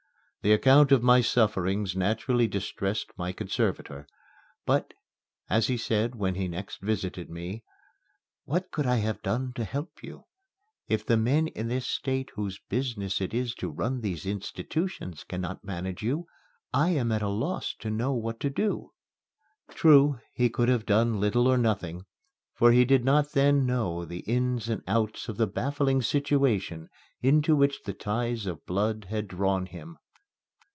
The account of my sufferings naturally distressed my conservator, but, as he said when he next visited me: "What could I have done to help you? If the men in this State whose business it is to run these institutions cannot manage you, I am at a loss to know what to do." True, he could have done little or nothing, for he did not then know the ins and outs of the baffling situation into which the ties of blood had drawn him.